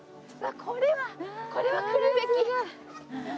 これはこれは来るべき。